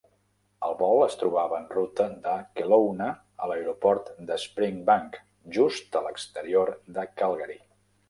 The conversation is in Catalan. El vol es trobava en ruta de Kelowna a l'aeroport de Springbank, just a l'exterior de Calgary.